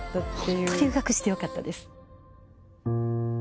ホント留学してよかったです。